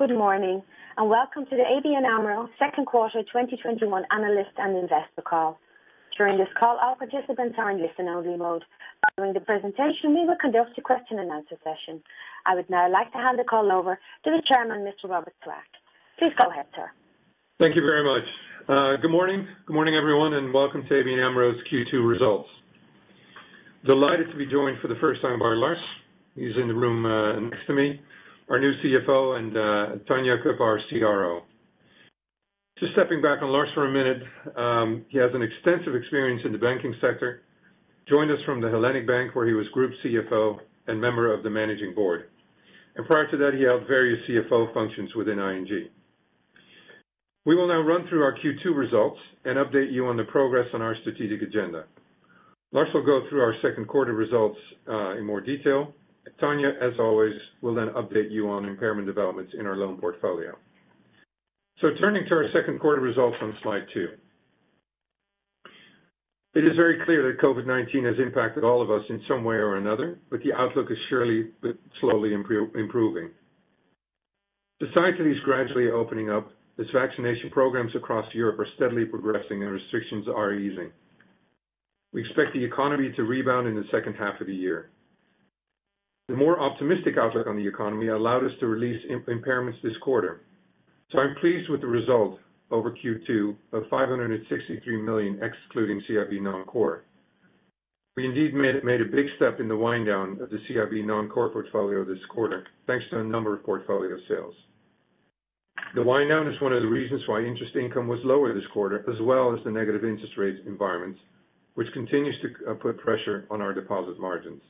Good morning, welcome to the ABN AMRO second quarter 2021 analyst and investor call. During this call, all participants are in listen-only mode. During the presentation, we will conduct a question and answer session. I would now like to hand the call over to the Chairman, Mr. Robert Swaak. Please go ahead, Sir. Thank you very much. Good morning. Good morning, everyone, and welcome to ABN AMRO's Q2 results. Delighted to be joined for the first time by Lars Kramer. He's in the room next to me, our new CFO, and Tanja Cuppen, our CRO. Just stepping back on Lars for a minute, he has an extensive experience in the banking sector, joined us from the Hellenic Bank, where he was Group CFO and member of the Managing Board. Prior to that, he held various CFO functions within ING. We will now run through our Q2 results and update you on the progress on our strategic agenda. Lars will go through our second quarter results in more detail. Tanja, as always, will then update you on impairment developments in our loan portfolio. Turning to our second quarter results on slide two. It is very clear that COVID-19 has impacted all of us in some way or another, but the outlook is surely, but slowly improving. Society is gradually opening up as vaccination programs across Europe are steadily progressing and restrictions are easing. We expect the economy to rebound in the second half of the year. The more optimistic outlook on the economy allowed us to release impairments this quarter. I'm pleased with the result over Q2 of 563 million, excluding CIB non-core. We indeed made a big step in the wind down of the CIB non-core portfolio this quarter, thanks to a number of portfolio sales. The wind down is one of the reasons why interest income was lower this quarter, as well as the negative interest rates environment, which continues to put pressure on our deposit margins.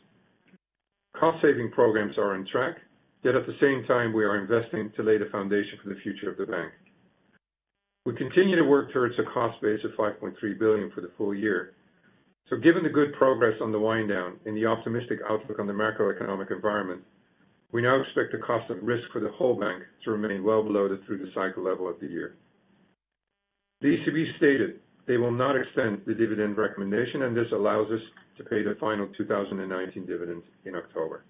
Cost-saving programs are on track, yet at the same time, we are investing to lay the foundation for the future of the bank. We continue to work towards a cost base of 5.3 billion for the full year. Given the good progress on the wind down and the optimistic outlook on the macroeconomic environment, we now expect the cost of risk for the whole bank to remain well below the through-the-cycle level of the year. The ECB stated they will not extend the dividend recommendation, and this allows us to pay the final 2019 dividends in October.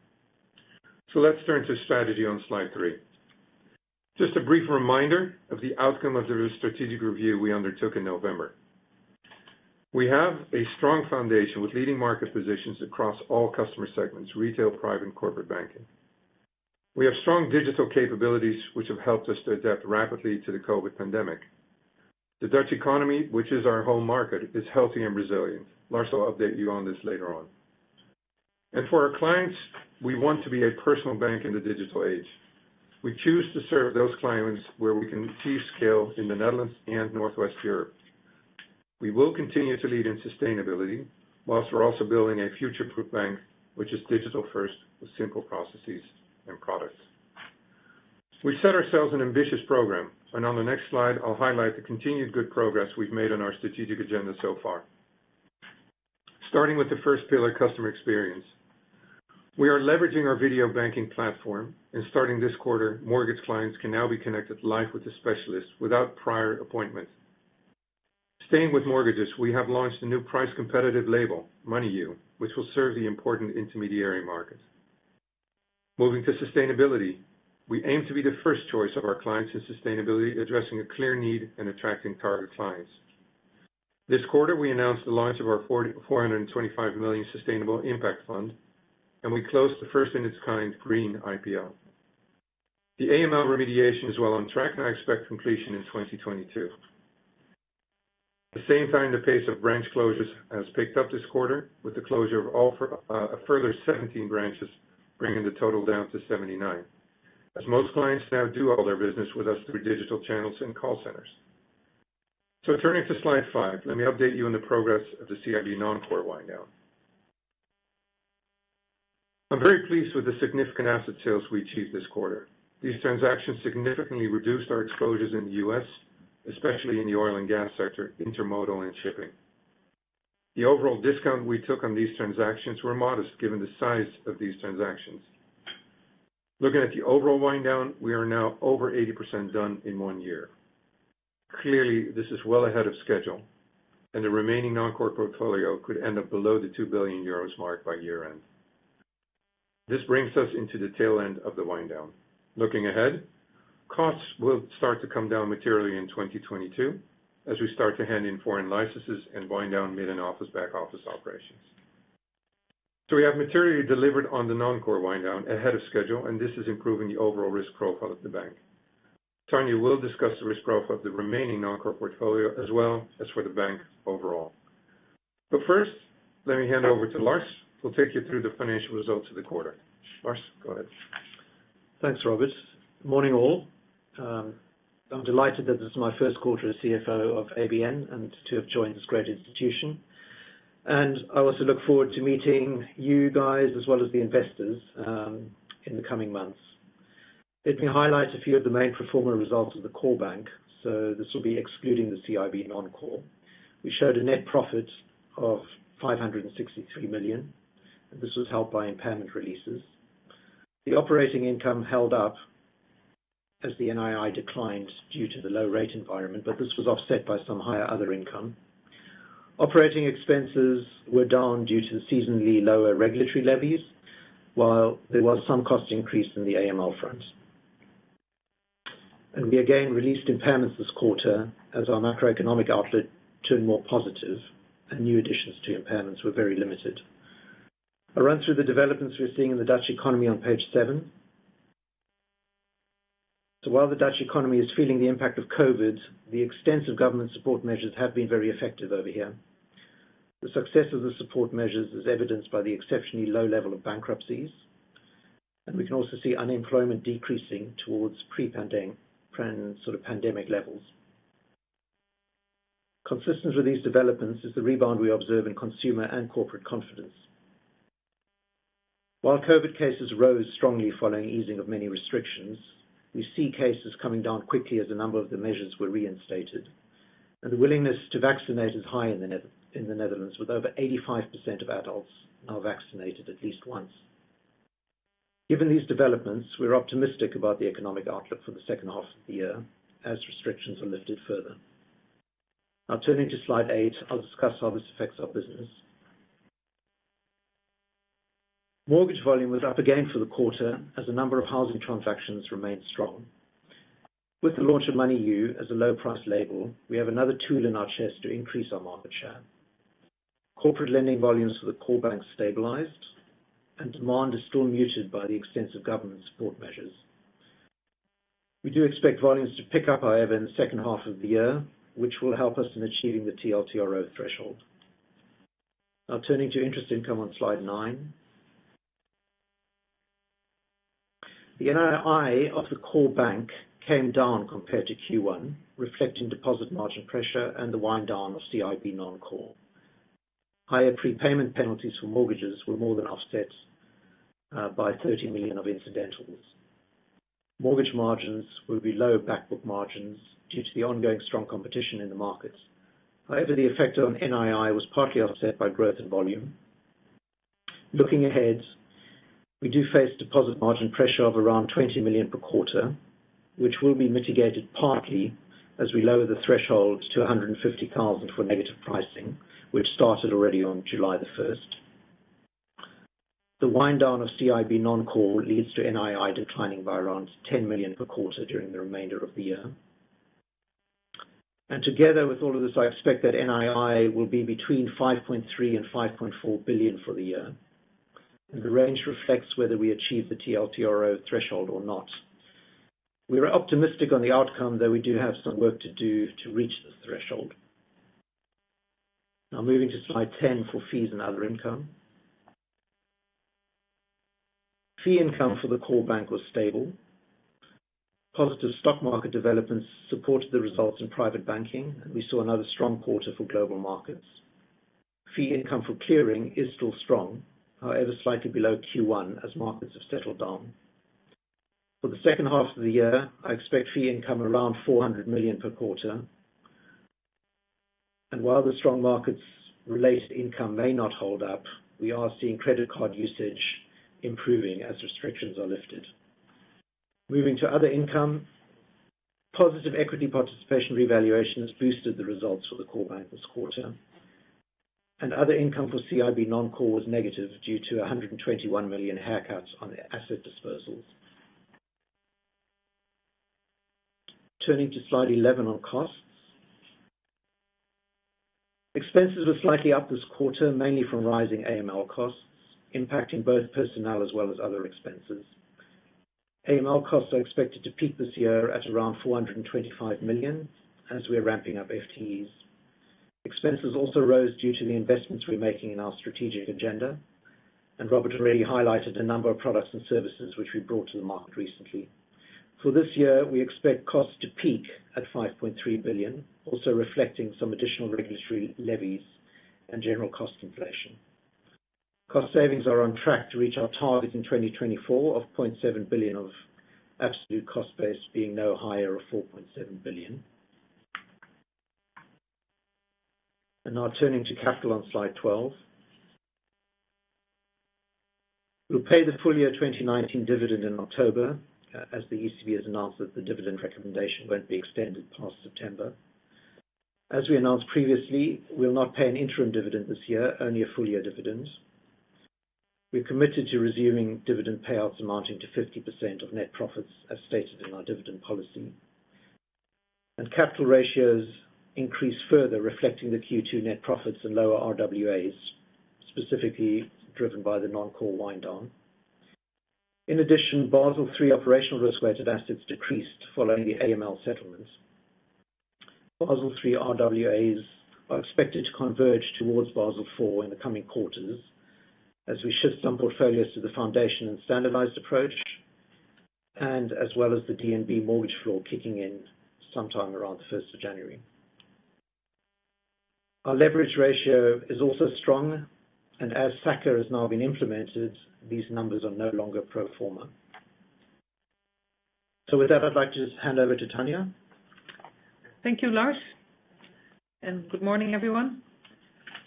Let's turn to strategy on slide three. Just a brief reminder of the outcome of the strategic review we undertook in November. We have a strong foundation with leading market positions across all customer segments, retail, private, and corporate banking. We have strong digital capabilities, which have helped us to adapt rapidly to the COVID pandemic. The Dutch economy, which is our home market, is healthy and resilient. Lars will update you on this later on. For our clients, we want to be a personal bank in the digital age. We choose to serve those clients where we can achieve scale in the Netherlands and Northwest Europe. We will continue to lead in sustainability, while we're also building a future-proof bank, which is digital first with simple processes and products. We set ourselves an ambitious program, on the next slide, I'll highlight the continued good progress we've made on our strategic agenda so far. Starting with the first pillar, customer experience. We are leveraging our video banking platform, starting this quarter, mortgage clients can now be connected live with a specialist without prior appointment. Staying with mortgages, we have launched a new price competitive label, Moneyou, which will serve the important intermediary market. Moving to sustainability, we aim to be the first choice of our clients in sustainability, addressing a clear need and attracting target clients. This quarter, we announced the launch of our 425 million sustainable impact fund, and we closed the first in its kind green IPO. The AML remediation is well on track, and I expect completion in 2022. At the same time, the pace of branch closures has picked up this quarter with the closure of a further 17 branches, bringing the total down to 79, as most clients now do all their business with us through digital channels and call centers. Turning to slide five, let me update you on the progress of the CIB non-core wind down. I'm very pleased with the significant asset sales we achieved this quarter. These transactions significantly reduced our exposures in the U.S., especially in the oil and gas sector, intermodal, and shipping. The overall discount we took on these transactions were modest given the size of these transactions. Looking at the overall wind down, we are now over 80% done in one year. Clearly, this is well ahead of schedule, and the remaining non-core portfolio could end up below the 2 billion euros mark by year end. This brings us into the tail end of the wind down. Looking ahead, costs will start to come down materially in 2022, as we start to hand in foreign licenses and wind down mid and office back office operations. We have materially delivered on the non-core wind down ahead of schedule, and this is improving the overall risk profile of the bank. Tanja will discuss the risk profile of the remaining non-core portfolio as well as for the bank overall. First, let me hand over to Lars, who'll take you through the financial results of the quarter. Lars, go ahead. Thanks, Robert. Morning, all. I'm delighted that this is my first quarter as CFO of ABN and to have joined this great institution. I also look forward to meeting you guys as well as the investors in the coming months. Let me highlight a few of the main performer results of the core bank. This will be excluding the CIB non-core. We showed a net profit of 563 million. This was helped by impairment releases. The operating income held up as the NII declined due to the low rate environment, but this was offset by some higher other income. Operating expenses were down due to seasonally lower regulatory levies, while there was some cost increase in the AML front. We again released impairments this quarter as our macroeconomic outlook turned more positive and new additions to impairments were very limited. I'll run through the developments we're seeing in the Dutch economy on page seven. While the Dutch economy is feeling the impact of COVID, the extensive government support measures have been very effective over here. The success of the support measures is evidenced by the exceptionally low level of bankruptcies, and we can also see unemployment decreasing towards pre-pandemic levels. Consistent with these developments is the rebound we observe in consumer and corporate confidence. While COVID cases rose strongly following easing of many restrictions, we see cases coming down quickly as a number of the measures were reinstated. The willingness to vaccinate is high in the Netherlands, with over 85% of adults now vaccinated at least once. Given these developments, we're optimistic about the economic outlook for the second half of the year as restrictions are lifted further. Now turning to slide eight, I'll discuss how this affects our business. Mortgage volume was up again for the quarter as the number of housing transactions remained strong. With the launch of Moneyou as a low price label, we have another tool in our chest to increase our market share. Corporate lending volumes for the core bank stabilized, and demand is still muted by the extensive government support measures. We do expect volumes to pick up, however, in the second half of the year, which will help us in achieving the TLTRO threshold. Now turning to interest income on slide nine. The NII of the core bank came down compared to Q1, reflecting deposit margin pressure and the wind down of CIB non-core. Higher prepayment penalties for mortgages were more than offset by 30 million of incidentals. Mortgage margins will be lower back book margins due to the ongoing strong competition in the markets. However, the effect on NII was partly offset by growth in volume. Looking ahead, we do face deposit margin pressure of around 20 million per quarter, which will be mitigated partly as we lower the threshold to 150,000 for negative pricing, which started already on July 1st. The wind down of CIB non-core leads to NII declining by around 10 million per quarter during the remainder of the year. Together with all of this, I expect that NII will be between 5.3 billion and 5.4 billion for the year. The range reflects whether we achieve the TLTRO threshold or not. We are optimistic on the outcome, though we do have some work to do to reach the threshold. Now moving to slide 10 for fees and other income. Fee income for the core bank was stable. Positive stock market developments supported the results in private banking, and we saw another strong quarter for global markets. Fee income for clearing is still strong. However, slightly below Q1 as markets have settled down. For the second half of the year, I expect fee income around 400 million per quarter. While the strong markets related income may not hold up, we are seeing credit card usage improving as restrictions are lifted. Moving to other income. Positive equity participation revaluation has boosted the results for the core bank this quarter, and other income for CIB non-core was negative due to 121 million haircuts on their asset disposals. Turning to slide 11 on costs. Expenses were slightly up this quarter, mainly from rising AML costs, impacting both personnel as well as other expenses. AML costs are expected to peak this year at around 425 million as we are ramping up FTEs. Expenses also rose due to the investments we're making in our strategic agenda, Robert already highlighted a number of products and services which we brought to the market recently. For this year, we expect costs to peak at 5.3 billion, also reflecting some additional regulatory levies and general cost inflation. Cost savings are on track to reach our target in 2024 of 0.7 billion of absolute cost base being no higher or 4.7 billion. Now turning to capital on slide 12. We'll pay the full-year 2019 dividend in October, as the ECB has announced that the dividend recommendation won't be extended past September. As we announced previously, we'll not pay an interim dividend this year, only a full-year dividend. We're committed to resuming dividend payouts amounting to 50% of net profits as stated in our dividend policy. Capital ratios increased further, reflecting the Q2 net profits and lower RWAs, specifically driven by the non-core wind down. In addition, Basel III operational risk-weighted assets decreased following the AML settlements. Basel III RWAs are expected to converge towards Basel IV in the coming quarters as we shift some portfolios to the foundation and standardized approach and as well as the DNB mortgage floor kicking in sometime around the 1st of January. Our leverage ratio is also strong, and as SA-CCR has now been implemented, these numbers are no longer pro forma. With that, I'd like to just hand over to Tanja. Thank you, Lars, and good morning, everyone.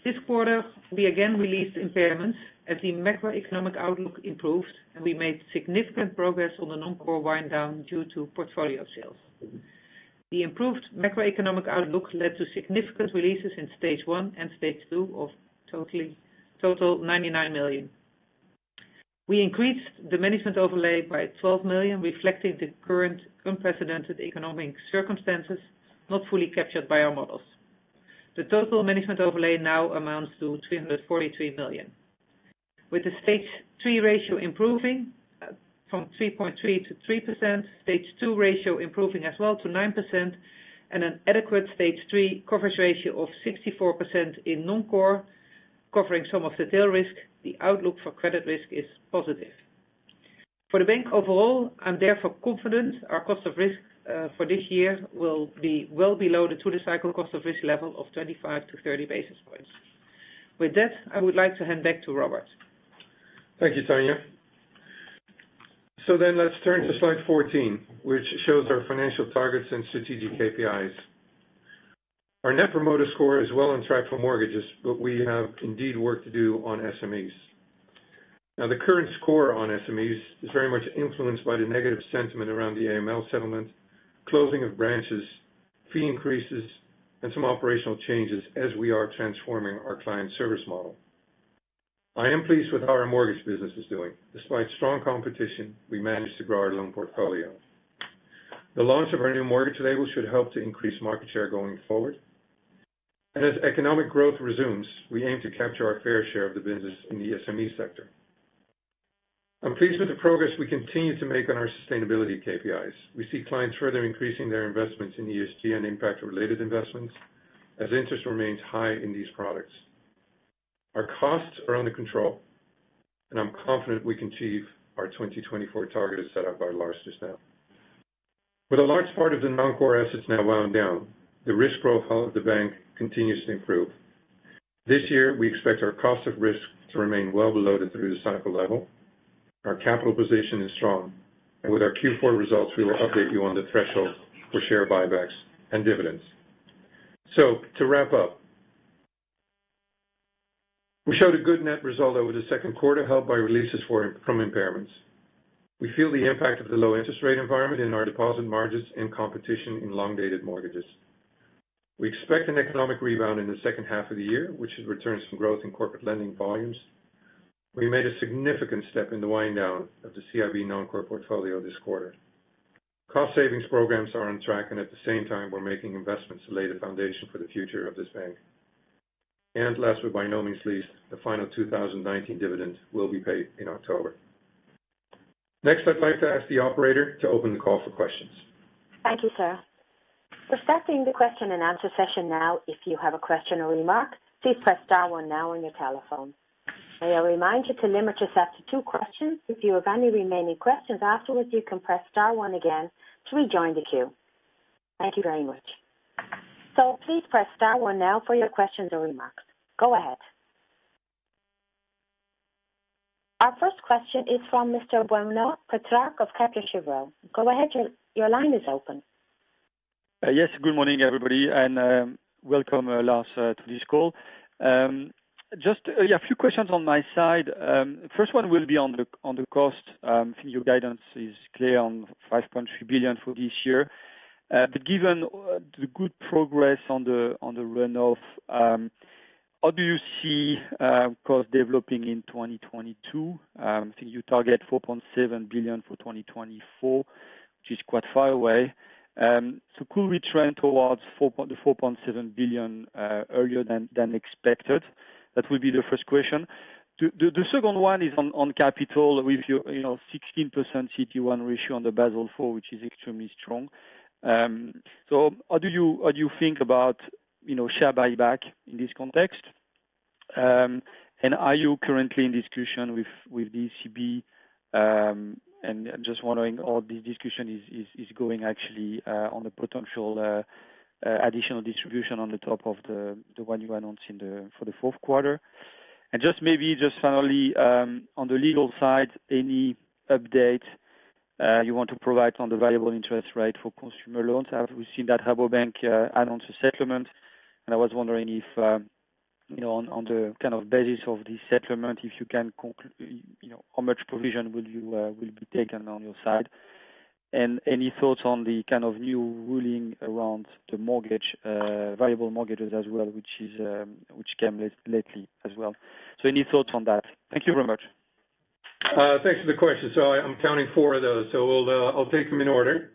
This quarter, we again released impairments as the macroeconomic outlook improved, and we made significant progress on the non-core wind down due to portfolio of sales. The improved macroeconomic outlook led to significant releases in Stage 1 and Stage 2 of total 99 million. We increased the management overlay by 12 million, reflecting the current unprecedented economic circumstances not fully captured by our models. The total management overlay now amounts to 343 million, with the Stage 3 ratio improving from 3.3% to 3%, Stage 2 ratio improving as well to 9%, and an adequate Stage 3 coverage ratio of 64% in non-core, covering some of the tail risk. The outlook for credit risk is positive. For the bank overall, I'm therefore confident our cost of risk for this year will be well below the through-the-cycle cost of risk level of 25 basis points-30 basis points. With that, I would like to hand back to Robert. Thank you, Tanja. Let's turn to slide 14, which shows our financial targets and strategic KPIs. Our net promoter score is well on track for mortgages, but we have indeed work to do on SMEs. The current score on SMEs is very much influenced by the negative sentiment around the AML settlement, closing of branches, fee increases, and some operational changes as we are transforming our client service model. I am pleased with how our mortgage business is doing. Despite strong competition, we managed to grow our loan portfolio. The launch of our new mortgage label should help to increase market share going forward. As economic growth resumes, we aim to capture our fair share of the business in the SME sector. I'm pleased with the progress we continue to make on our sustainability KPIs. We see clients further increasing their investments in ESG and impact related investments as interest remains high in these products. Our costs are under control. I'm confident we can achieve our 2024 target as set out by Lars just now. With a large part of the non-core assets now wound down, the risk profile of the bank continues to improve. This year, we expect our cost of risk to remain well below the through-the-cycle level. Our capital position is strong. With our Q4 results, we will update you on the threshold for share buybacks and dividends. To wrap up, we showed a good net result over the second quarter, helped by releases from impairments. We feel the impact of the low interest rate environment in our deposit margins and competition in long-dated mortgages. We expect an economic rebound in the second half of the year, which should return some growth in corporate lending volumes. We made a significant step in the wind down of the CIB non-core portfolio this quarter. Cost savings programs are on track, and at the same time, we're making investments to lay the foundation for the future of this bank. Last but not least, the final 2019 dividend will be paid in October. Next, I'd like to ask the Operator to open the call for questions. Thank you, Sir. We're starting the question and answer session now. If you have a question or remark, please press star one now on your telephone. May I remind you to limit yourself to two questions. If you have any remaining questions afterwards, you can press star one again to rejoin the queue. Thank you very much. Please press star one now for your questions or remarks. Go ahead. Our first question is from Mr. Benoît Pétrarque of Kepler Cheuvreux. Go ahead, your line is open. Good morning, everybody, and welcome, Lars, to this call. Just a few questions on my side. First one will be on the cost. I think your guidance is clear on 5.3 billion for this year. Given the good progress on the runoff, how do you see cost developing in 2022? I think you target 4.7 billion for 2024, which is quite far away. Could we trend towards 4.7 billion earlier than expected? That would be the first question. The second one is on capital with your 16% CET1 ratio under Basel IV, which is extremely strong. How do you think about share buyback in this context? Are you currently in discussion with the ECB? Just wondering how the discussion is going actually on the potential additional distribution on the top of the one you announced for the Q4. Just maybe, just finally, on the legal side, any update you want to provide on the variable interest rate for consumer loans? We've seen that Rabobank announced a settlement, and I was wondering if, on the basis of this settlement, how much provision will be taken on your side? Any thoughts on the new ruling around the variable mortgages as well, which came lately as well. Any thoughts on that? Thank you very much. Thanks for the question. I'm counting four of those. I'll take them in order.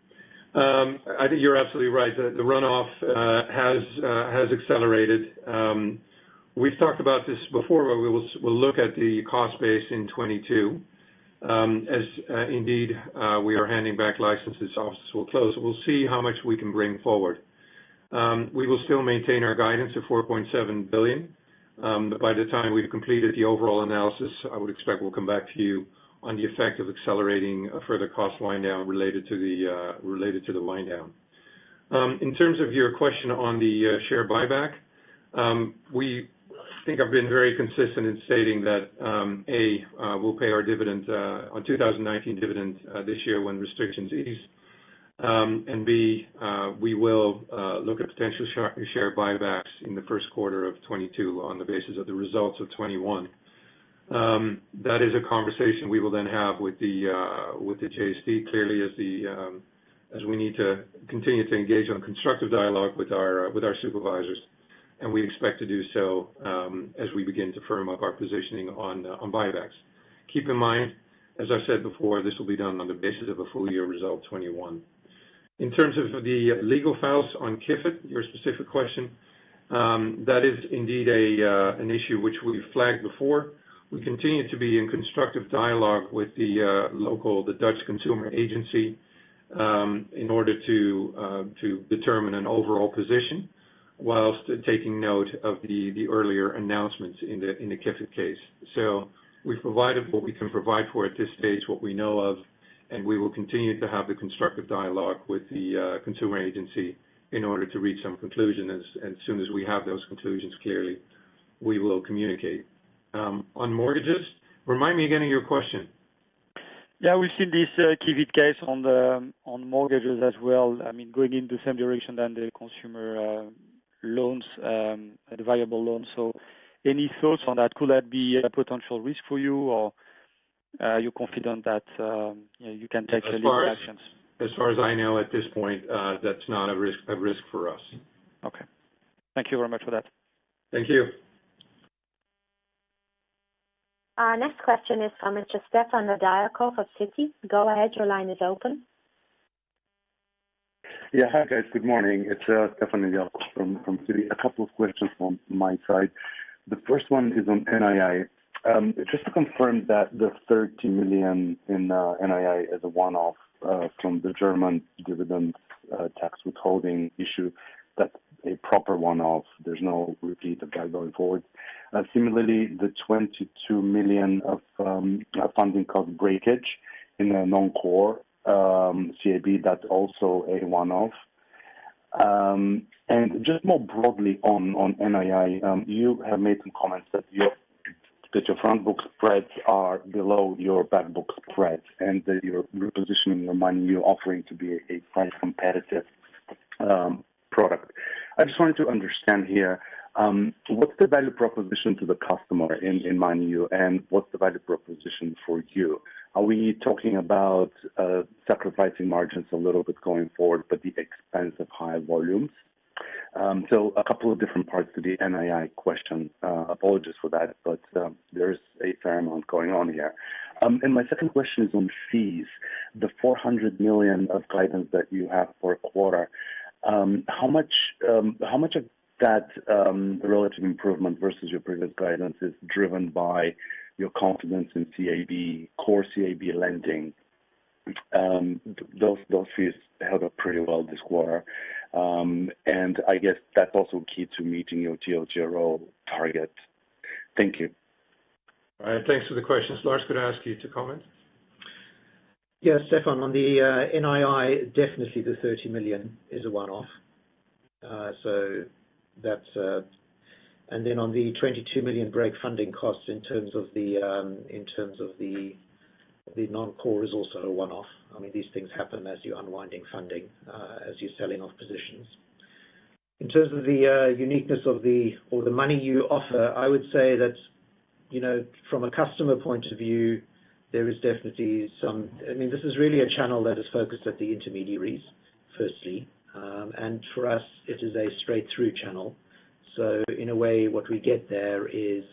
I think you're absolutely right. The runoff has accelerated. We've talked about this before, where we'll look at the cost base in 2022. As indeed, we are handing back licenses, offices will close. We'll see how much we can bring forward. We will still maintain our guidance of 4.7 billion. By the time we've completed the overall analysis, I would expect we'll come back to you on the effect of accelerating a further cost wind down related to the wind down. In terms of your question on the share buyback, I think I've been very consistent in stating that, A, we'll pay our dividend on 2019 dividend this year when restrictions ease. B, we will look at potential share buybacks in the first quarter of 2022 on the basis of the results of 2021. That is a conversation we will have with the JST, clearly, as we need to continue to engage on constructive dialogue with our supervisors. We expect to do so as we begin to firm up our positioning on buybacks. Keep in mind, as I've said before, this will be done on the basis of a full-year result 2021. In terms of the legal files on Kifid, your specific question, that is indeed an issue which we've flagged before. We continue to be in constructive dialogue with the Dutch Consumer Agency in order to determine an overall position, whilst taking note of the earlier announcements in the Kifid-case. We've provided what we can provide for at this stage, what we know of, and we will continue to have the constructive dialogue with the Consumer Agency in order to reach some conclusion. As soon as we have those conclusions, clearly, we will communicate. On mortgages, remind me again of your question. Yeah, we've seen this Kifid case on mortgages as well, going in the same direction than the consumer loans, the variable loans. Any thoughts on that? Could that be a potential risk for you, or are you confident that you can take any actions? As far as I know at this point, that's not a risk for us. Okay. Thank you very much for that. Thank you. Our next question is from Mr. Stefan Nedialkov of Citi. Go ahead, your line is open. Yeah. Hi, guys. Good morning. It's Stefan Nedialkov from Citi. A couple of questions from my side. The first one is on NII. Just to confirm that the 30 million in NII is a one-off from the German dividend tax withholding issue. That's a proper one-off. There's no repeat of that going forward? Similarly, the 22 million of funding cost breakage in the non-core CIB, that's also a one-off. Just more broadly on NII, you have made some comments that your front book spreads are below your back book spreads, and that you're repositioning your Moneyou offering to be a price-competitive product. I just wanted to understand here, what's the value proposition to the customer in Moneyou, and what's the value proposition for you? Are we talking about sacrificing margins a little bit going forward, but the expense of higher volumes? A couple of different parts to the NII question. Apologies for that, but there is a fair amount going on here. My second question is on fees. The 400 million of guidance that you have for a quarter. How much of that relative improvement versus your previous guidance is driven by your confidence in CIB, core CIB lending? Those fees held up pretty well this quarter. I guess that's also key to meeting your TLTRO-target. Thank you. All right. Thanks for the questions. Lars, could I ask you to comment? Yeah, Stefan, on the NII, definitely the 30 million is a one-off. On the 22 million break funding costs in terms of the non-core is also a one-off. These things happen as you're unwinding funding, as you're selling off positions. In terms of the uniqueness of the Moneyou offer, I would say that from a customer point of view, there is definitely a channel that is focused at the intermediaries, firstly. For us, it is a straight-through channel. In a way, what we get there is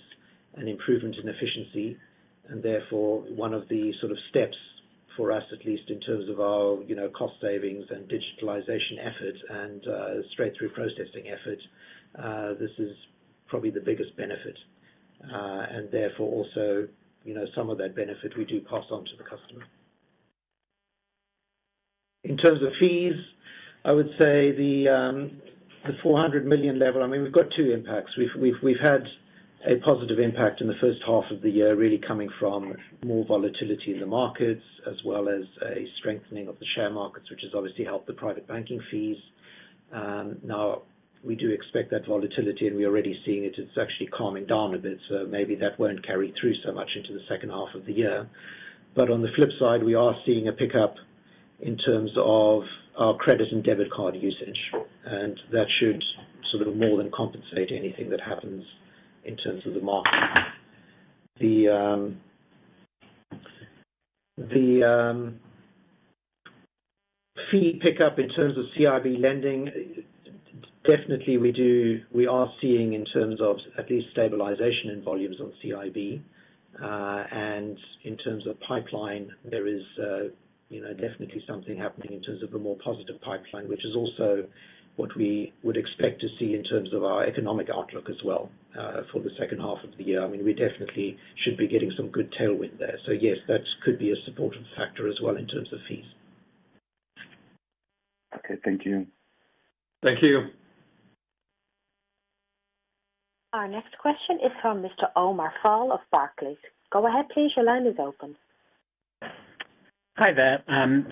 an improvement in efficiency, therefore one of the steps for us at least in terms of our cost savings and digitalization efforts and straight-through processing efforts. This is probably the biggest benefit. Therefore, also, some of that benefit we do pass on to the customer. In terms of fees, I would say the 400 million level, we've got two impacts. We've had a positive impact in the first half of the year, really coming from more volatility in the markets, as well as a strengthening of the share markets, which has obviously helped the private banking fees. We do expect that volatility, and we're already seeing it. It's actually calming down a bit. Maybe that won't carry through so much into the second half of the year. On the flip side, we are seeing a pickup in terms of our credit and debit card usage. That should more than compensate anything that happens in terms of the market. The fee pickup in terms of CIB lending, definitely we are seeing in terms of at least stabilization in volumes on CIB. In terms of pipeline, there is definitely something happening in terms of a more positive pipeline, which is also what we would expect to see in terms of our economic outlook as well for the second half of the year. We definitely should be getting some good tailwind there. Yes, that could be a supportive factor as well in terms of fees. Okay. Thank you. Thank you. Our next question is from Mr. Omar Fall of Barclays. Go ahead, please. Your line is open. Hi there.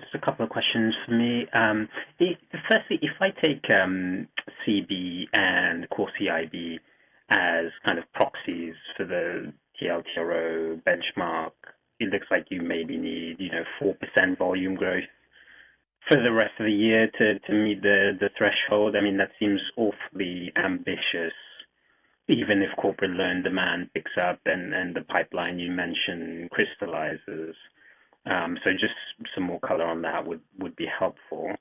Just a couple of questions from me. If I take CB and core CIB as proxies for the TLTRO benchmark. It looks like you maybe need 4% volume growth for the rest of the year to meet the threshold. That seems awfully ambitious, even if corporate loan demand picks up and the pipeline you mentioned crystallizes. Just some more color on that would be helpful.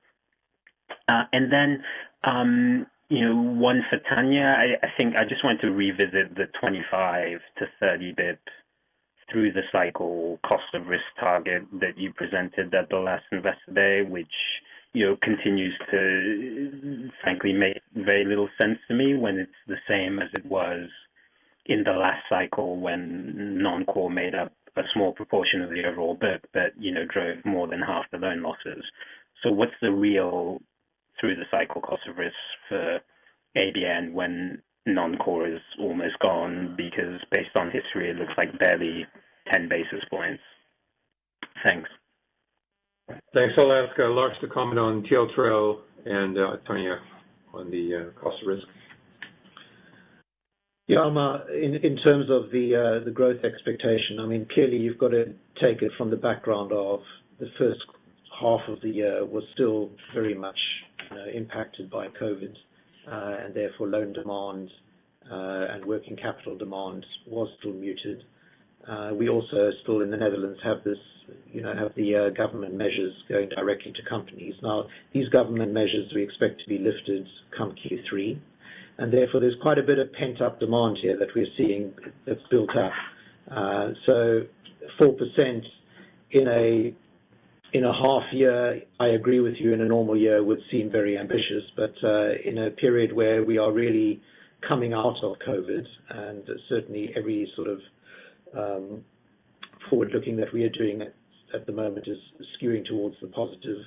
One for Tanja. I just want to revisit the 25 basis points-30 basis points through the cycle cost of risk target that you presented at the last Investor Day, which continues to frankly make very little sense to me when it's the same as it was in the last cycle when non-core made up a small proportion of the overall book, but drove more than half the loan losses. What's the real through the cycle cost of risk for ABN when non-core is almost gone? Based on history, it looks like barely 10 basis points. Thanks. Thanks. I'll ask Lars to comment on TLTRO and Tanja on the cost of risk. Yeah, Omar, in terms of the growth expectation, clearly you've got to take it from the background of the first half of the year was still very much impacted by COVID, and therefore loan demand and working capital demand was still muted. We also still in the Netherlands have the government measures going directly to companies. These government measures we expect to be lifted come Q3, and therefore there's quite a bit of pent-up demand here that we're seeing that's built up. 4% in a half year, I agree with you, in a normal year would seem very ambitious, but in a period where we are really coming out of COVID, and certainly every sort of forward-looking that we are doing at the moment is skewing towards the positive.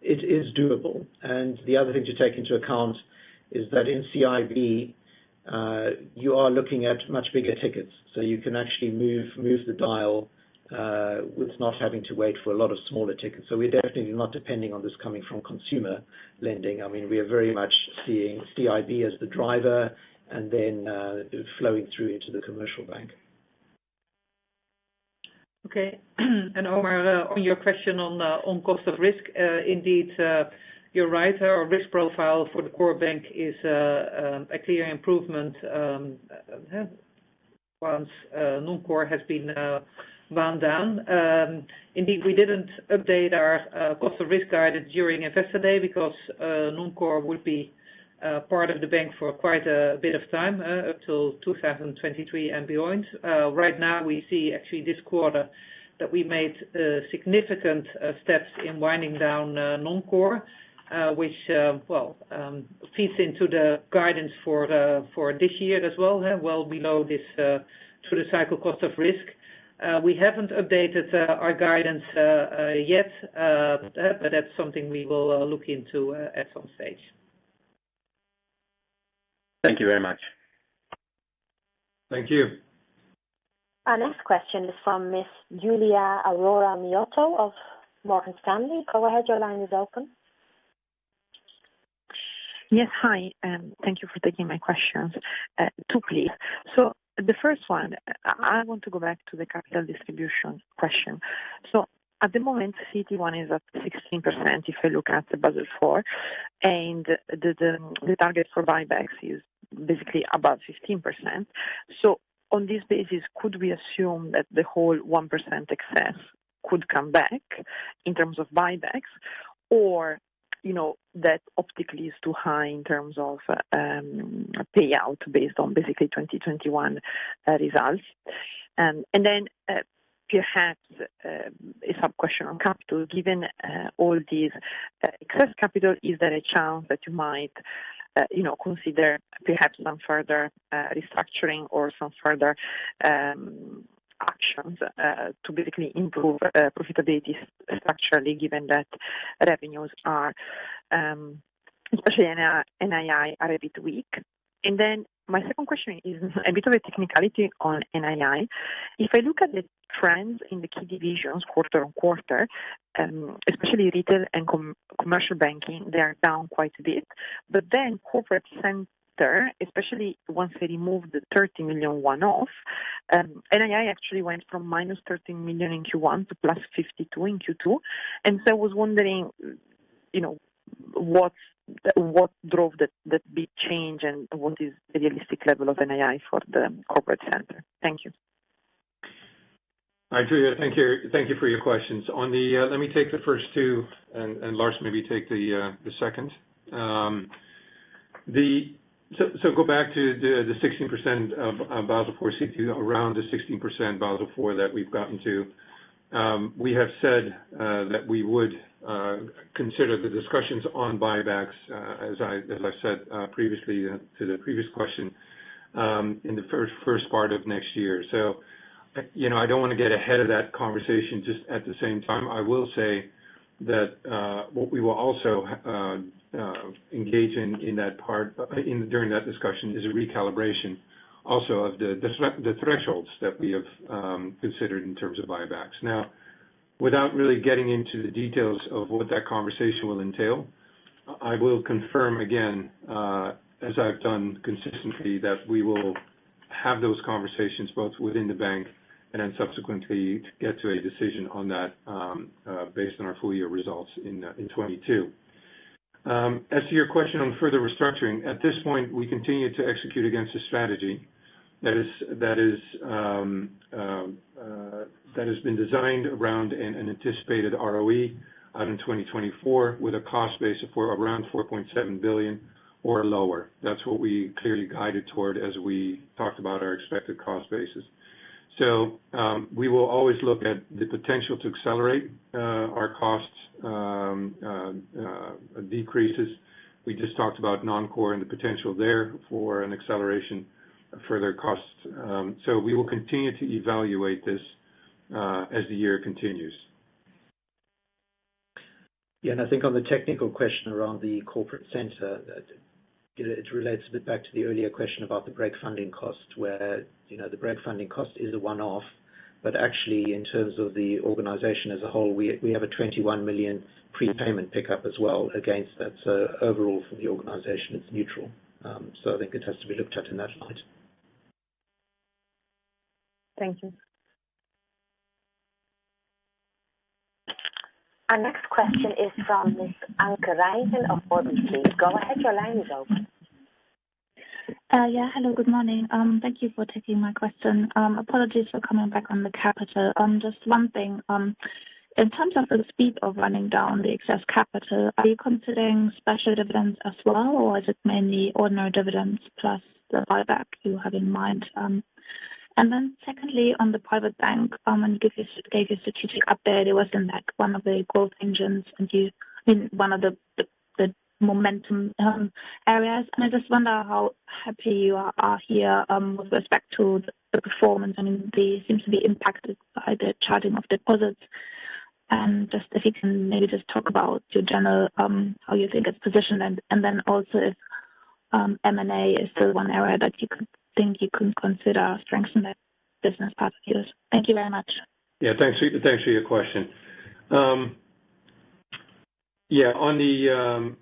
It is doable. The other thing to take into account is that in CIB, you are looking at much bigger tickets. You can actually move the dial with not having to wait for a lot of smaller tickets. We're definitely not depending on this coming from consumer lending. We are very much seeing CIB as the driver and then flowing through into the commercial bank. Okay. Omar, on your question on cost of risk, indeed, you're right. Our risk profile for the core bank is a clear improvement once non-core has been wound down. Indeed, we didn't update our cost of risk guidance during Investor Day because non-core would be part of the bank for quite a bit of time, up till 2023 and beyond. Right now, we see actually this quarter that we made significant steps in winding down non-core, which feeds into the guidance for this year as well. Well below this through the cycle cost of risk. We haven't updated our guidance yet, but that's something we will look into at some stage. Thank you very much. Thank you. Our next question is from Miss Giulia Aurora Miotto of Morgan Stanley. Go ahead, your line is open. Yes. Hi. Thank you for taking my questions. Two, please. The first one, I want to go back to the capital distribution question. At the moment, CET1 is at 16%, if I look at the Basel IV, and the target for buybacks is basically above 15%. On this basis, could we assume that the whole 1% excess could come back in terms of buybacks? Or that optically is too high in terms of payout based on basically 2021 results? Perhaps a sub-question on capital. Given all this excess capital, is there a chance that you might consider perhaps some further restructuring or some further actions to basically improve profitability structurally, given that revenues are, especially NII, are a bit weak? My second question is a bit of a technicality on NII. If I look at the trends in the key divisions quarter-on-quarter, especially retail and commercial banking, they are down quite a bit. Corporate center, especially once they remove the 30 million one-off, NII actually went from -30 million in Q1 to +52 million in Q2. I was wondering what drove that big change, and what is the realistic level of NII for the corporate center? Thank you. Hi, Giulia. Thank you for your questions. Let me take the first two, Lars, maybe take the second. Go back to the 16% of Basel IV, CET1 around the 16% Basel IV that we've gotten to. We have said that we would consider the discussions on buybacks, as I said previously to the previous question, in the first part of next year. I don't want to get ahead of that conversation just at the same time. I will say that what we will also engage in during that discussion is a recalibration also of the thresholds that we have considered in terms of buybacks. Now, without really getting into the details of what that conversation will entail, I will confirm again, as I've done consistently, that we will have those conversations both within the bank and then subsequently to get to a decision on that based on our full-year results in 2022. As to your question on further restructuring, at this point, we continue to execute against a strategy that has been designed around an anticipated ROE out in 2024 with a cost base of around 4.7 billion or lower. That's what we clearly guided toward as we talked about our expected cost basis. We will always look at the potential to accelerate our costs decreases. We just talked about non-core and the potential there for an acceleration of further costs. We will continue to evaluate this as the year continues. I think on the technical question around the Corporate Center, it relates a bit back to the earlier question about the break funding cost, where the break funding cost is a one-off. Actually, in terms of the organization as a whole, we have a 21 million prepayment pickup as well against that. Overall for the organization, it's neutral. I think it has to be looked at in that light. Thank you. Our next question is from Miss Anke Reingen of RBC. Go ahead, your line is open. Yeah, hello. Good morning. Thank you for taking my question. Apologies for coming back on the capital. Just one thing. In terms of the speed of running down the excess capital, are you considering special dividends as well, or is it mainly ordinary dividends plus the buyback you have in mind? Secondly, on the private bank, you gave your strategic update. It was in one of the growth engines and one of the momentum areas. I just wonder how happy you are here with respect to the performance. They seem to be impacted by the charging of deposits. Just if you can maybe just talk about your general, how you think it's positioned and then also if M&A is still one area that you think you could consider strengthening that business part of yours? Thank you very much. Yeah, thanks for your question. On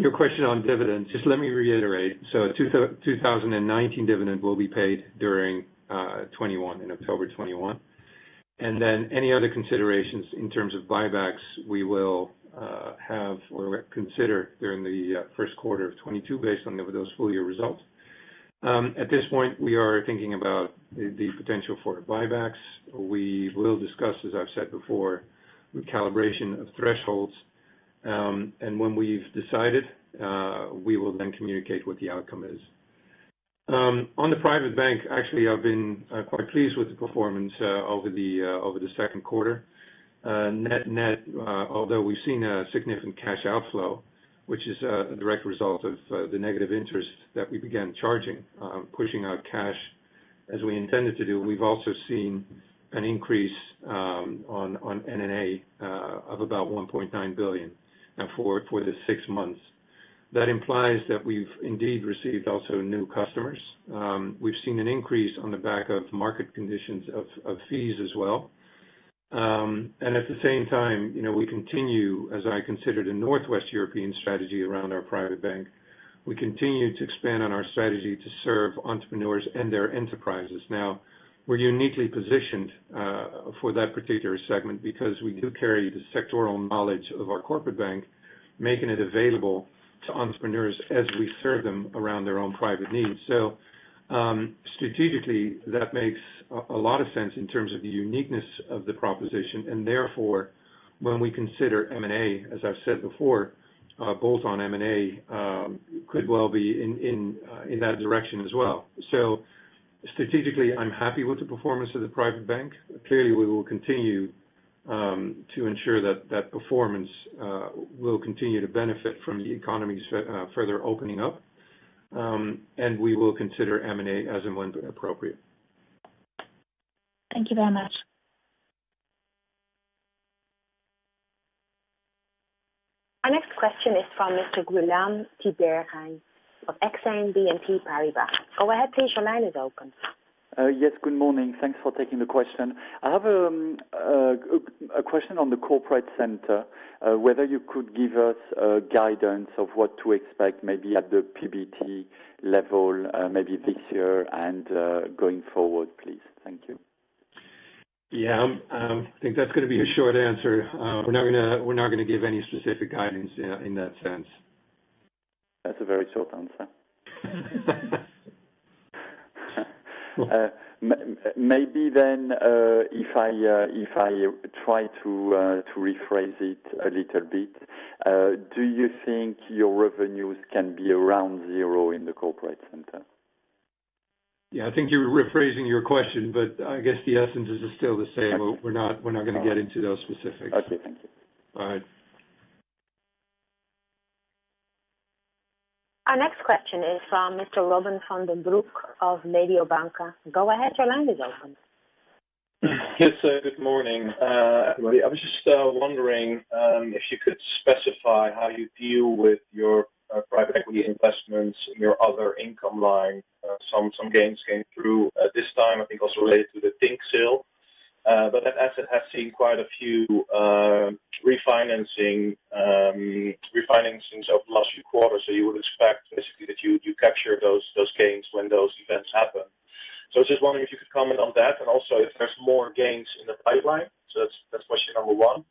your question on dividends, just let me reiterate. 2019 dividend will be paid during in October 2021. Then any other considerations in terms of buybacks we will have or consider during the first quarter of 2022 based on those full-year results. At this point, we are thinking about the potential for buybacks. We will discuss, as I've said before, recalibration of thresholds. When we've decided, we will then communicate what the outcome is. On the private bank, actually, I've been quite pleased with the performance over the second quarter. Net-net, although we've seen a significant cash outflow, which is a direct result of the negative interest that we began charging, pushing out cash as we intended to do. We've also seen an increase on NNA of about 1.9 billion for the six months. That implies that we've indeed received also new customers. We've seen an increase on the back of market conditions of fees as well. At the same time, we continue, as I considered a Northwest European strategy around our private bank. We continue to expand on our strategy to serve entrepreneurs and their enterprises. We're uniquely positioned for that particular segment because we do carry the sectoral knowledge of our corporate bank, making it available to entrepreneurs as we serve them around their own private needs. Strategically, that makes a lot of sense in terms of the uniqueness of the proposition. Therefore, when we consider M&A, as I've said before, both on M&A could well be in that direction as well. Strategically, I'm happy with the performance of the private bank. Clearly, we will continue to ensure that that performance will continue to benefit from the economy further opening up. We will consider M&A as and when appropriate. Thank you very much. Our next question is from Mr. Guillaume Tiberghien of Exane BNP Paribas. Go ahead please, your line is open. Good morning. Thanks for taking the question. I have a question on the corporate center, whether you could give us a guidance of what to expect maybe at the PBT level, maybe this year and going forward, please? Thank you. Yeah. I think that's going to be a short answer. We're not going to give any specific guidance in that sense. That's a very short answer. Maybe if I try to rephrase it a little bit, do you think your revenues can be around zero in the Corporate Center? Yeah, I think you're rephrasing your question, but I guess the essence is still the same. We're not going to get into those specifics. Okay, thank you. All right. Our next question is from Mr. Robin van den Broek of Mediobanca. Go ahead, your line is open. Yes, good morning, everybody. I was just wondering if you could specify how you deal with your private equity investments in your other income line. Some gains came through this time, I think also related to the Tink sale. That asset has seen quite a few refinancings over the last few quarters. You would expect, basically, that you capture those gains when those events happen. I was just wondering if you could comment on that and also if there's more gains in the pipeline? That's question number one.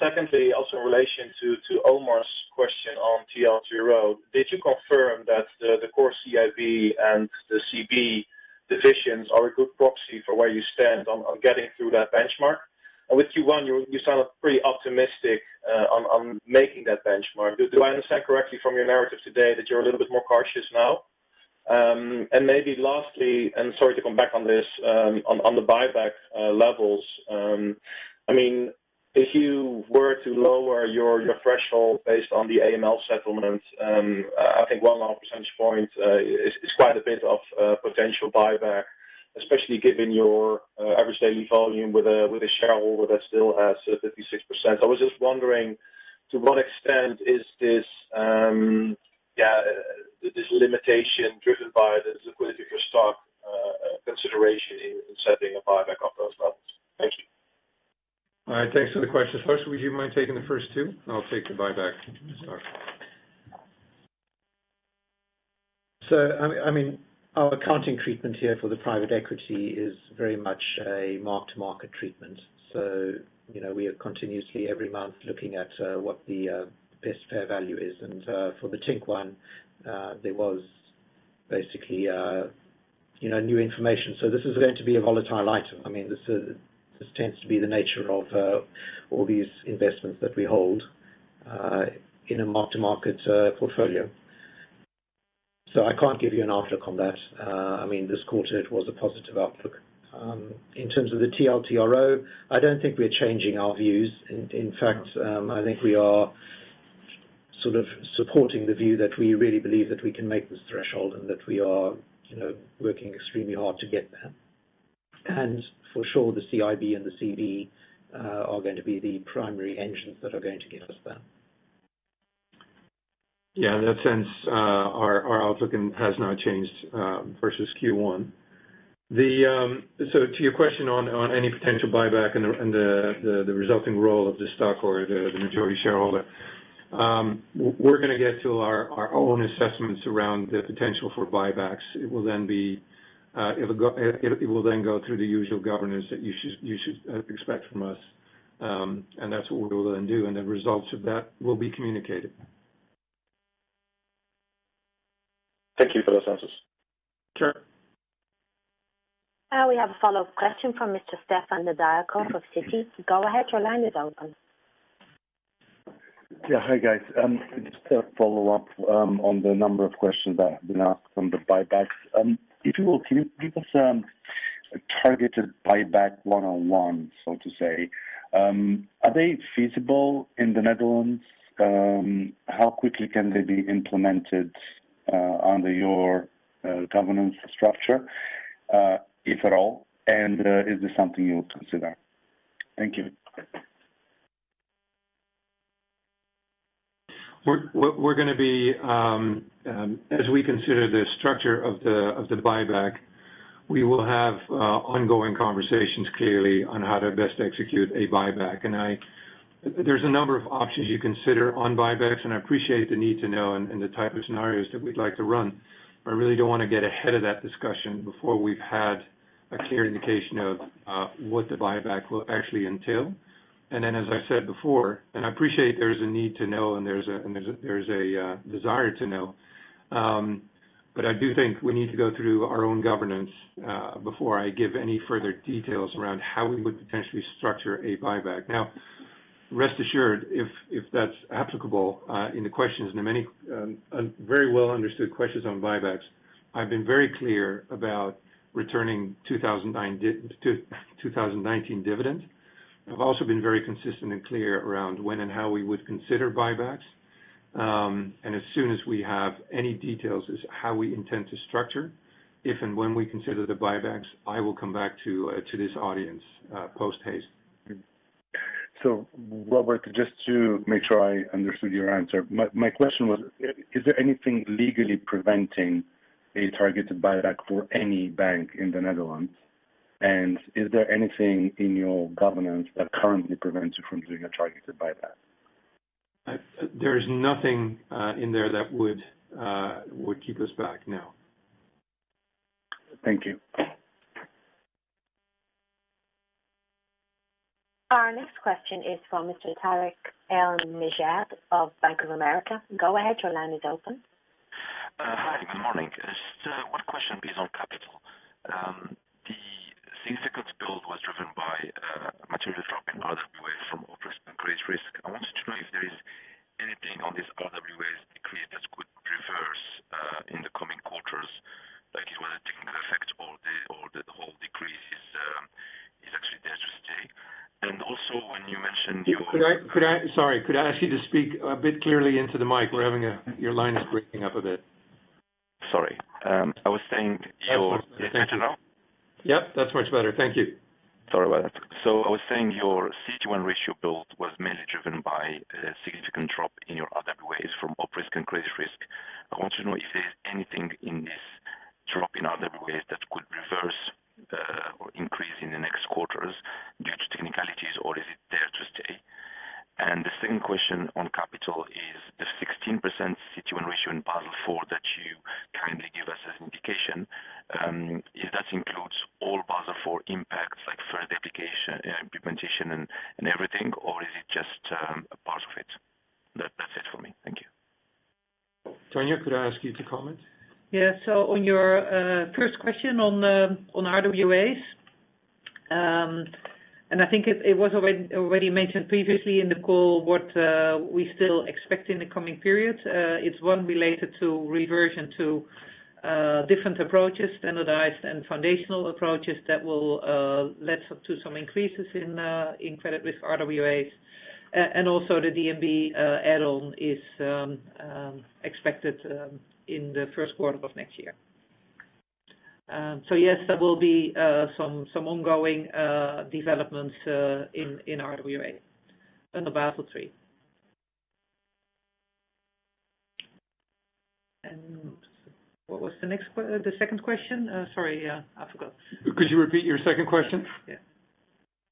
Secondly, also in relation to Omar's question on TLTRO, did you confirm that the core CIB and the CB divisions are a good proxy for where you stand on getting through that benchmark? With Q1, you sound pretty optimistic on making that benchmark. Do I understand correctly from your narrative today that you're a little bit more cautious now? Maybe lastly, and sorry to come back on this, on the buyback levels. If you were to lower your threshold based on the AML settlement, I think 1.5 percentage point is quite a bit of potential buyback, especially given your average daily volume with a shareholder that still has 56%. I was just wondering, to what extent is this limitation driven by the liquidity for stock consideration in setting a buyback on those levels? Thank you. All right. Thanks for the question. Lars, would you mind taking the first two? I'll take the buyback. Our accounting treatment here for the private equity is very much a mark-to-market treatment. We are continuously, every month, looking at what the best fair value is. For the Tink one, there was basically new information. This is going to be a volatile item. This tends to be the nature of all these investments that we hold in a mark-to-market portfolio. I can't give you an outlook on that. This quarter, it was a positive outlook. In terms of the TLTRO, I don't think we're changing our views. In fact, I think we are supporting the view that we really believe that we can make this threshold and that we are working extremely hard to get there. For sure, the CIB and the CB are going to be the primary engines that are going to get us there. Yeah. In that sense, our outlook has not changed versus Q1. To your question on any potential buyback and the resulting role of the stock or the majority shareholder. We're going to get to our own assessments around the potential for buybacks. It will then go through the usual governance that you should expect from us. That's what we will then do, and the results of that will be communicated. Thank you for those answers. Sure. Now we have a follow-up question from Mr. Stefan Nedialkov of Citi. Go ahead, your line is open. Yeah. Hi, guys. Just a follow-up on the number of questions that have been asked on the buybacks. If you will, can you give us a targeted buyback one-on-one, so to say. Are they feasible in the Netherlands? How quickly can they be implemented under your governance structure, if at all? Is this something you would consider? Thank you. As we consider the structure of the buyback, we will have ongoing conversations, clearly, on how to best execute a buyback. There's a number of options you consider on buybacks, and I appreciate the need to know and the type of scenarios that we'd like to run, but I really don't want to get ahead of that discussion before we've had a clear indication of what the buyback will actually entail. As I said before, and I appreciate there's a need to know and there's a desire to know, but I do think we need to go through our own governance before I give any further details around how we would potentially structure a buyback. Now, rest assured, if that's applicable in the questions and very well-understood questions on buybacks, I've been very clear about returning 2019 dividends. I've also been very consistent and clear around when and how we would consider buybacks. As soon as we have any details as how we intend to structure, if and when we consider the buybacks, I will come back to this audience post-haste. Robert, just to make sure I understood your answer. My question was, is there anything legally preventing a targeted buyback for any bank in the Netherlands? Is there anything in your governance that currently prevents you from doing trying to buyback? There's nothing in there that would keep us back, no. Thank you. Our next question is from Mr. Tarik El Mejjad of Bank of America. Go ahead, your line is open. Hi. Good morning. Just one question, please, on capital. The CET1 build was driven by a material drop in RWA from op risk and credit risk. I wanted to know if there is anything on this RWAs decree that could reverse in the coming quarters. Like, is one of the things that affect the whole decrease is actually there to stay. Also, when you mentioned. Sorry, could I ask you to speak a bit clearly into the mic? Your line is breaking up a bit. Sorry. I was saying. Is this better? Yep, that's much better. Thank you. Sorry about that. I was saying your CET1 ratio build was mainly driven by a significant drop in your RWAs from op risk and credit risk. I want to know if there's anything in this drop in RWAs that could reverse or increase in the next quarters due to technicalities? Or is it there to stay? The second question on capital is the 16% CET1 ratio in Basel IV that you kindly give us as indication, if that includes all Basel IV impacts, like further implementation and everything, or is it just a part of it? That's it for me. Thank you. Tanja, could I ask you to comment? On your first question on RWAs, I think it was already mentioned previously in the call what we still expect in the coming period. It is one related to reversion to different approaches, standardized and foundational approaches that will lead to some increases in credit risk RWAs. Also, the DNB add-on is expected in the first quarter of next year. Yes, there will be some ongoing developments in RWA under Basel III. What was the second question? Sorry, I forgot. Could you repeat your second question? Yeah.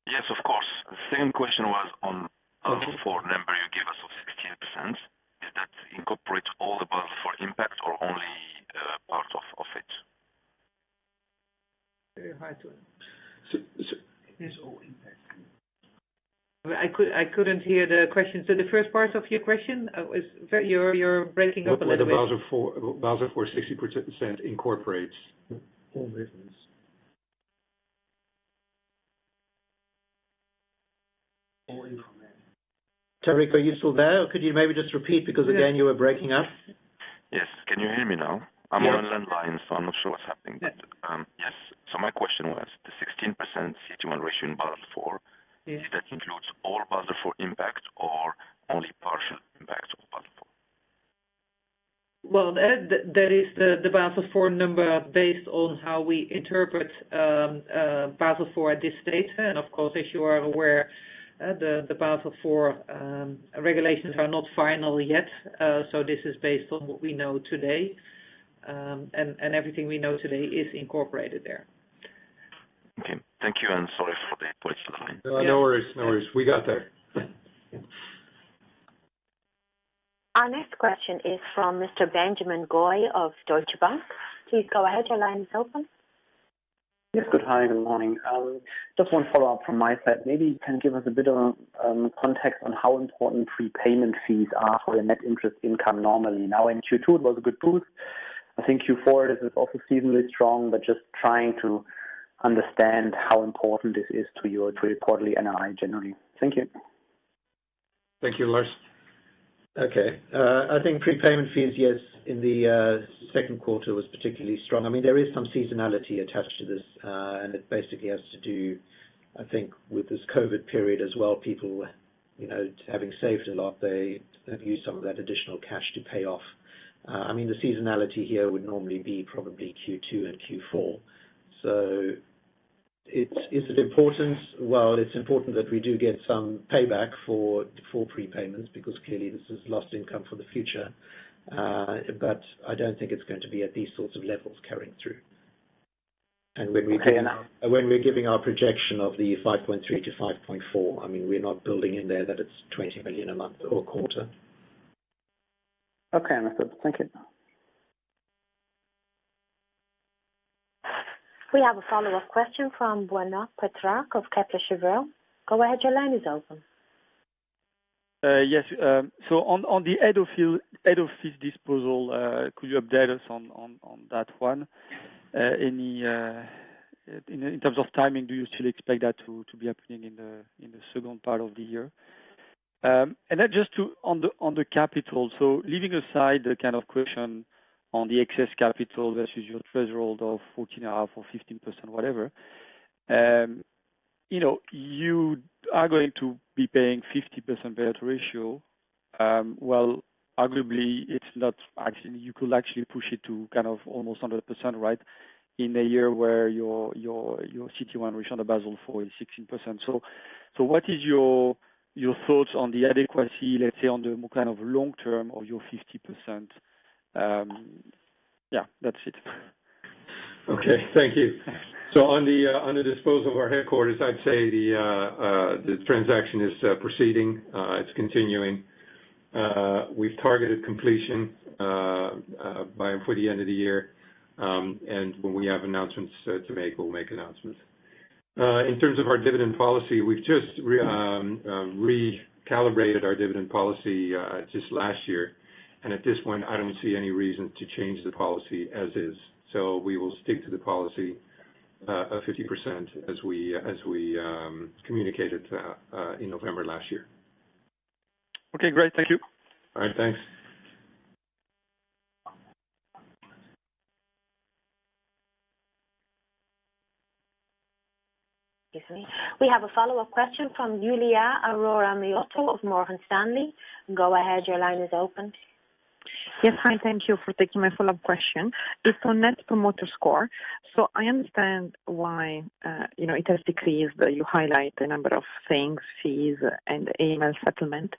Yes, of course. The second question was. Okay. Basel IV number you gave us of 16%. Does that incorporate all the Basel IV impact or only part of it? Very hard to. So- It is all impact? I couldn't hear the question. The first part of your question is, you're breaking up a little bit. Whether the Basel IV, 16% incorporates? All business. All information. Tarik, are you still there, or could you maybe just repeat because again you were breaking up? Yes. Can you hear me now? Yes. I'm on a landline, so I'm not sure what's happening. Yeah. Yes. my question was, the 16% CET1 ratio in Basel IV. Yes. If that includes all Basel IV impact or only partial impact of Basel IV? Well, that is the Basel IV number based on how we interpret Basel IV at this date. Of course, as you are aware, the Basel IV regulations are not final yet. This is based on what we know today. Everything we know today is incorporated there. Okay. Thank you, and sorry for the voice on the line. No, worries. We got there. Our next question is from Mr. Benjamin Goy of Deutsche Bank. Please go ahead. Your line is open. Yes. Good. Hi, good morning. Just one follow-up from my side. Maybe you can give us a bit of context on how important prepayment fees are for your net interest income normally. Now, in Q2, it was a good boost. I think Q4 is also seasonally strong, but just trying to understand how important this is to your quarterly NII generally? Thank you. Thank you. Lars? Okay. I think prepayment fees, yes, in the second quarter was particularly strong. There is some seasonality attached to this, and it basically has to do, I think, with this COVID period as well. People having saved a lot, they have used some of that additional cash to pay off. The seasonality here would normally be probably Q2 and Q4. Is it important? Well, it's important that we do get some payback for prepayments, because clearly this is lost income for the future. I don't think it's going to be at these sorts of levels carrying through. When we're giving our projection of the 5.3 to 5.4, we're not building in there that it's 20 million a month or a quarter. Okay, understood. Thank you. We have a follow-up question from Benoît Pétrarque of Kepler Cheuvreux. Go ahead, your line is open. Yes. On the head office disposal, could you update us on that one? In terms of timing, do you still expect that to be happening in the second part of the year? Just on the capital, leaving aside the kind of question on the excess capital versus your threshold of 14.5% or 15%, whatever. You are going to be paying 50% payout ratio. Arguably, you could actually push it to almost 100%, right? In a year where your CET1 ratio under Basel IV is 16%. What is your thoughts on the adequacy, let's say, on the more long-term of your 50%? That's it. Okay. Thank you. On the disposal of our headquarters, I'd say the transaction is proceeding. It's continuing. We've targeted completion for the end of the year. When we have announcements to make, we'll make announcements. In terms of our dividend policy, we've just recalibrated our dividend policy just last year. At this point, I don't see any reason to change the policy as is. We will stick to the policy of 50% as we communicated in November last year. Okay, great. Thank you. All right, thanks. We have a follow-up question from Giulia Aurora Miotto of Morgan Stanley. Go ahead, your line is open. Yes. Hi, thank you for taking my follow-up question. It's on Net Promoter Score. I understand why it has decreased. You highlight a number of things, fees and AML settlement.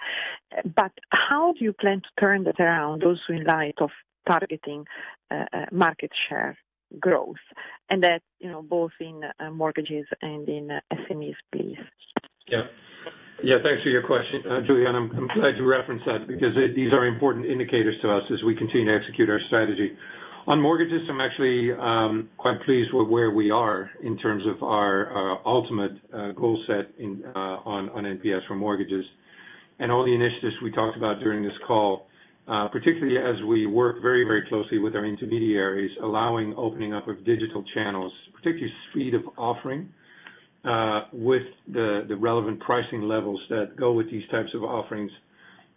How do you plan to turn that around, also in light of targeting market share growth? That both in mortgages and in SMEs, please? Thanks for your question, Giulia. I'm glad you referenced that because these are important indicators to us as we continue to execute our strategy. On mortgages, I'm actually quite pleased with where we are in terms of our ultimate goal set on NPS for mortgages. All the initiatives we talked about during this call, particularly as we work very closely with our intermediaries, allowing opening up of digital channels, particularly speed of offering with the relevant pricing levels that go with these types of offerings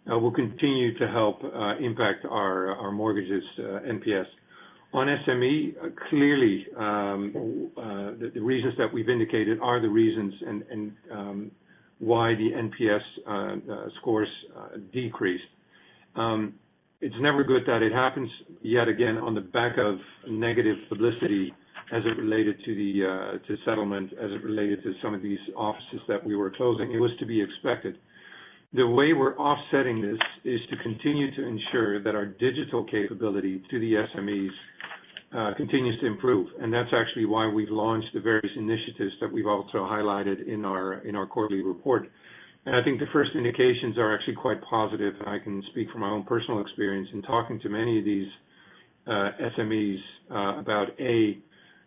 will continue to help impact our mortgages NPS. On SME, clearly the reasons that we've indicated are the reasons and why the NPS scores decreased. It's never good that it happens yet again on the back of negative publicity as it related to settlement, as it related to some of these offices that we were closing. It was to be expected. The way we're offsetting this is to continue to ensure that our digital capability to the SMEs continues to improve. That's actually why we've launched the various initiatives that we've also highlighted in our quarterly report. I think the first indications are actually quite positive. I can speak from my own personal experience in talking to many of these SMEs about, A,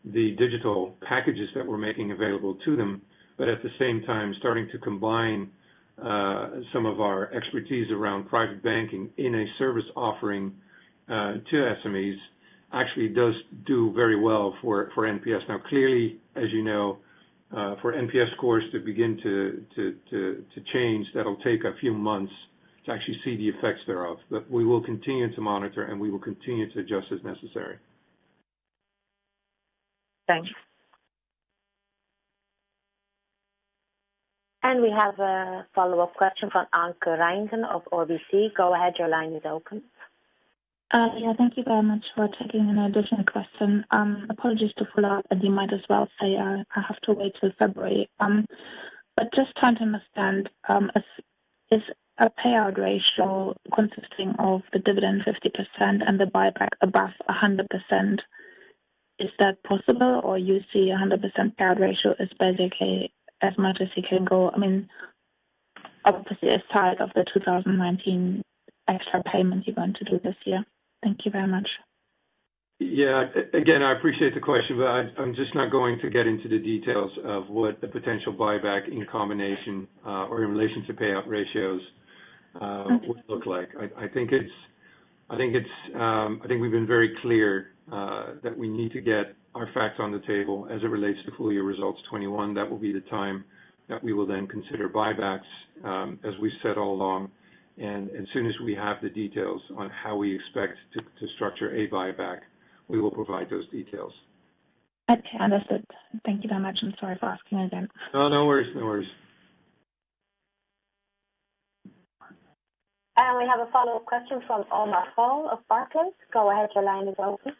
the digital packages that we're making available to them, but at the same time, starting to combine some of our expertise around private banking in a service offering to SMEs actually does do very well for NPS. Now, clearly, as you know for NPS scores to begin to change, that'll take a few months to actually see the effects thereof. We will continue to monitor, and we will continue to adjust as necessary. Thanks. We have a follow-up question from Anke Reingen of RBC. Go ahead, your line is open. Yeah. Thank you very much for taking an additional question. Apologies to follow up. You might as well say I have to wait till February. Just trying to understand, is a payout ratio consisting of the dividend 50% and the buyback above 100%, is that possible? You see 100% payout ratio is basically as much as you can go, obviously aside of the 2019 extra payments you want to do this year? Thank you very much. Yeah. Again, I appreciate the question, I'm just not going to get into the details of what the potential buyback in combination or in relation to payout ratios would look like. I think we've been very clear that we need to get our facts on the table as it relates to full year results 2021. That will be the time that we will then consider buybacks, as we said all along. As soon as we have the details on how we expect to structure a buyback, we will provide those details. Okay, understood. Thank you very much, and sorry for asking again. No worries. We have a follow-up question from Omar Fall of Barclays. Go ahead, your line is open.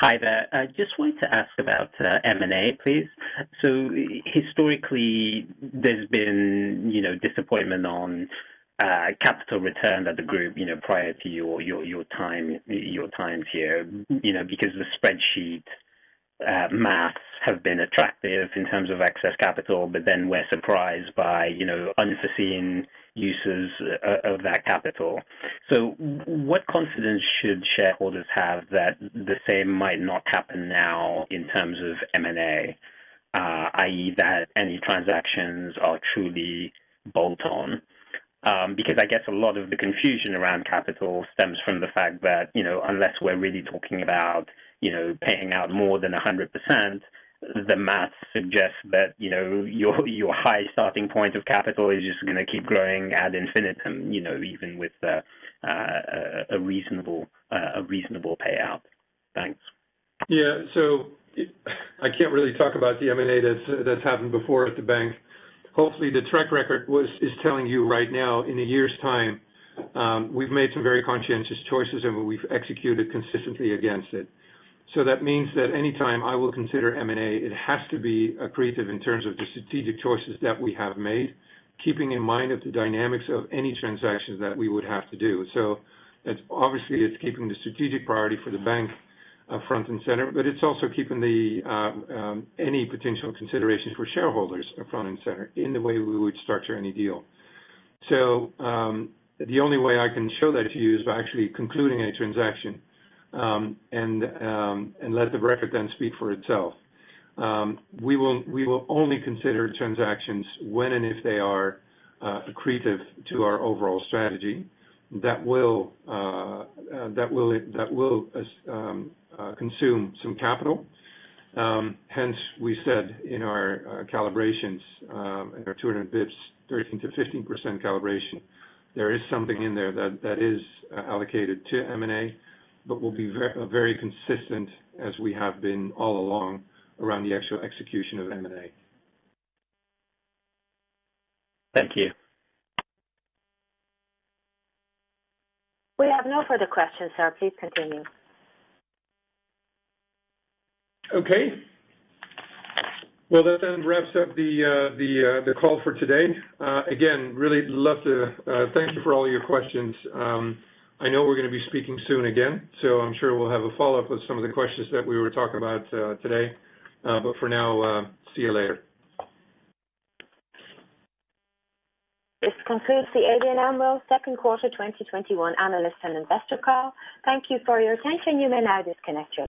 Hi there. I just wanted to ask about M&A, please. Historically there's been disappointment on capital return that the group, prior to your times here, because the spreadsheet math have been attractive in terms of excess capital. We're surprised by unforeseen uses of that capital. What confidence should shareholders have that the same might not happen now in terms of M&A? I.e., that any transactions are truly bolt on. I guess a lot of the confusion around capital stems from the fact that, unless we're really talking about paying out more than 100%, the math suggests that your high starting point of capital is just going to keep growing ad infinitum, even with a reasonable payout. Thanks. Yeah. I can't really talk about the M&A that's happened before at the bank. Hopefully, the track record is telling you right now in a year's time we've made some very conscientious choices and we've executed consistently against it. That means that any time I will consider M&A, it has to be accretive in terms of the strategic choices that we have made, keeping in mind of the dynamics of any transactions that we would have to do. Obviously it's keeping the strategic priority for the bank front and center, but it's also keeping any potential considerations for shareholders front and center in the way we would structure any deal. The only way I can show that to you is by actually concluding a transaction, and let the record then speak for itself. We will only consider transactions when and if they are accretive to our overall strategy. That will consume some capital. Hence, we said in our calibrations in our 200 basis points, 13%-15% calibration, there is something in there that is allocated to M&A but will be very consistent as we have been all along around the actual execution of M&A. Thank you. We have no further questions, sir. Please continue. Okay. Well, that wraps up the call for today. Again, really love to thank you for all your questions. I know we're going to be speaking soon again. I'm sure we'll have a follow-up with some of the questions that we were talking about today. For now, see you later. This concludes the ABN AMRO second quarter 2021 analyst and investor call. Thank you for your attention. You may now disconnect.